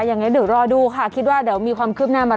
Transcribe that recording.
อย่างนี้เดี๋ยวรอดูค่ะคิดว่าเดี๋ยวมีความคืบหน้ามา